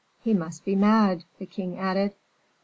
"He must be mad," the king added.